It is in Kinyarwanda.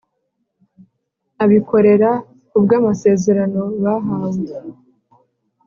abikorera ku bw amasezerano bahawe